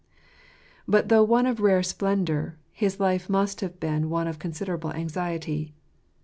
But though one of rare spendour, his life must have been one of considerable anxiety.